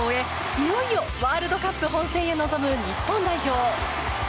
いよいよワールドカップ本戦へ臨む日本代表。